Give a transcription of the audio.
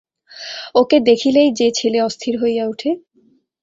ওকে দেখিলেই যে ছেলে অস্থির হইয়া উঠে ।